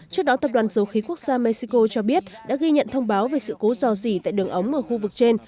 trước đó tập đoàn dầu khí quốc gia mexico cho biết đã ghi nhận thông báo về sự cố dò dỉ tại đường ống ở khu vực trên